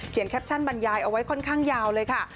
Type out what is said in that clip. แคปชั่นบรรยายเอาไว้ค่อนข้างยาวเลยค่ะ